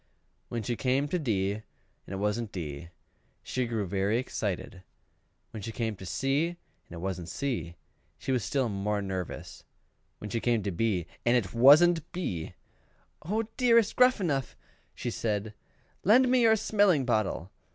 When she came to D, and it wasn't D, she grew very much excited: when she came to C, and it wasn't C, she was still more nervous; when she came to B, and it wasn't B, "Oh, dearest Gruffanuff," she said, "lend me your smelling bottle!"